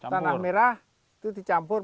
tanah merah itu dicampur